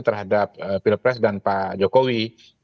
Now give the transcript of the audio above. terhadap pilpres dan pak jokowi